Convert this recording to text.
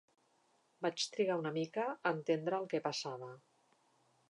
Vaig trigar una mica a entendre el que passava